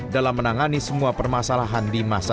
dalam menangani semua permasalahan di masa